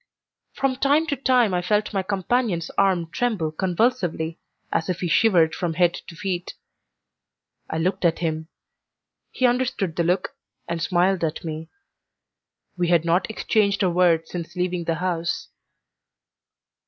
From time to time I felt my companion's arm tremble convulsively, as if he shivered from head to feet. I looked at him. He understood the look, and smiled at me; we had not exchanged a word since leaving the house.